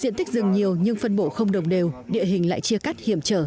diện tích rừng nhiều nhưng phân bộ không đồng đều địa hình lại chia cắt hiểm trở